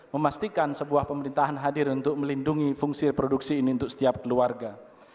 memastikan sebuah pemerintahan hadir untuk melindungi fungsi reproduksi ini untuk setiap keluarga